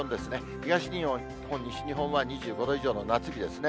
東日本、西日本は２５度以上の夏日ですね。